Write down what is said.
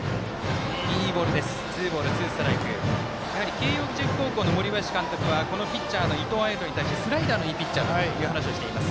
慶応義塾高校の森林監督はこのピッチャーの伊藤彩斗に対してスライダーのいいピッチャーという話をしています。